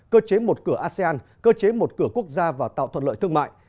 cơ chế một cửa asean cơ chế một cửa quốc gia và tạo thuận lợi thương mại